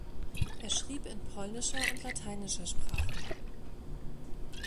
Er schrieb in polnischer und lateinischer Sprache.